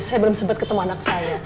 saya belum sempat ketemu anak saya